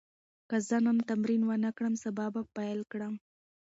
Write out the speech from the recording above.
که زه نن تمرین ونه کړم، سبا به پیل کړم.